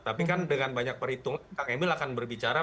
tapi kan dengan banyak perhitungan kang emil akan berbicara